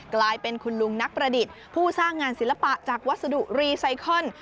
กลายเป็นคุณลุงนักประดิษฐ์ผู้สร้างงานศิลปะจากวัสดุรีไซคอน